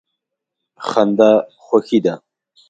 خندا خوښي ده.